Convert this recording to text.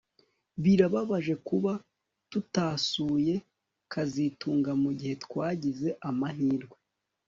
Birababaje kuba tutasuye kazitunga mugihe twagize amahirwe